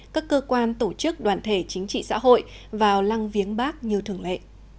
các cơ quan tổ chức đoàn thể chính trị xã hội vào lăng viếng bác như thường lệ